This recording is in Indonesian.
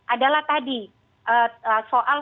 adalah tadi soal